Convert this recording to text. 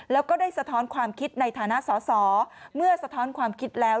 แล้วก็ได้สะท้อนความคิดในฐานะสอสอเมื่อสะท้อนความคิดแล้ว